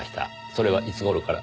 それはいつ頃から？